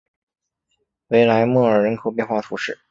维莱莫尔人口变化图示